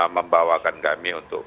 membawakan kami untuk